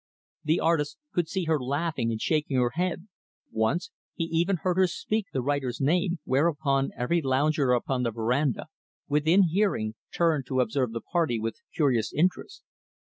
The artist could see her laughing and shaking her head. Once, he even heard her speak the writer's name; whereupon, every lounger upon the veranda, within hearing, turned to observe the party with curious interest.